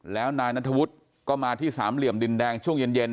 แล้วนายนัทธวุฒิก็มาที่สามเหลี่ยมดินแดงช่วงเย็น